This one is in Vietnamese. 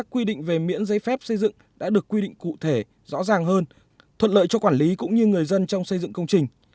quy định về miễn giấy phép xây dựng đã được quy định cụ thể rõ ràng hơn thuận lợi cho quản lý cũng như người dân trong xây dựng công trình